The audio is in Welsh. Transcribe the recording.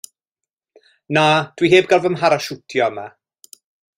Na, dw i heb gael fy mharashiwtio yma.